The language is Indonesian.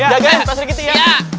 ya guys pak srikiti ya